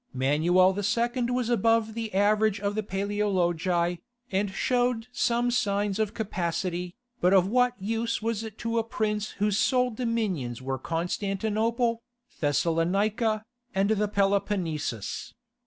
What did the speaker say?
Manuel II. was above the average of the Paleologi, and showed some signs of capacity, but of what use was it to a prince whose sole dominions were Constantinople, Thessalonica, and the Peloponnesus?